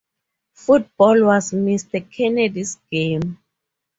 Football was Mr. Kennedy's game.